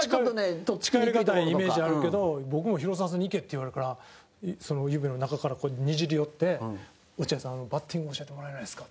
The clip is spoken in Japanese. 近寄りがたいイメージあるけど僕も広澤さんに行けって言われるから湯船の中から、にじり寄って落合さん、バッティング教えてもらえないですか？